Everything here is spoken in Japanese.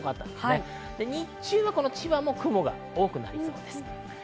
日中は千葉も雲が多くなりそうです。